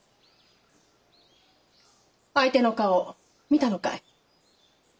相手の顔見たのかい？